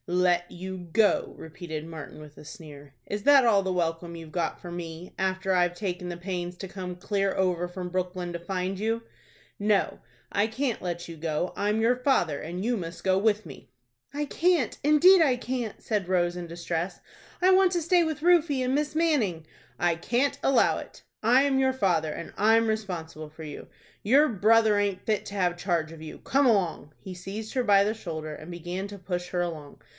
"Let you go!" repeated Martin, with a sneer. "Is that all the welcome you've got for me, after I've taken the pains to come clear over from Brooklyn to find you? No, I can't let you go; I'm your father, and you must go with me." "I can't, indeed I can't," said Rose, in distress "I want to stay with Rufie and Miss Manning." "I can't allow it. I'm your father, and I'm responsible for you. Your brother aint fit to have charge of you. Come along." He seized her by the shoulder, and began to push her along.